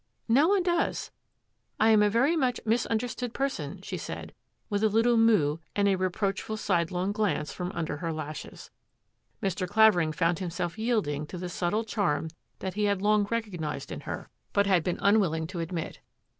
" No one does. I am a very much misunder stood person," she said, with a little moibe and a reproachful sidelong glance from under her lashes. Mr. Clavering found himself yielding to the sub tle charm that he had long recognised in her, but CROSS PURPOSES 163 had been unwilling to admit.